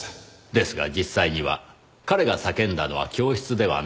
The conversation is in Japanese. ですが実際には彼が叫んだのは教室ではなく。